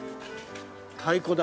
太鼓だ。